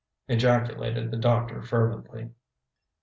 ejaculated the doctor fervently.